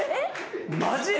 マジで？